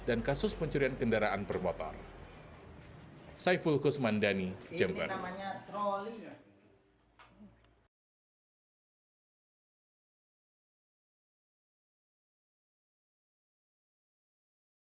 dan kasus pencurian kendaraan permotor saiful kusmandani jember namanya troli